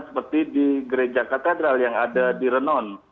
seperti di gereja katedral yang ada di renon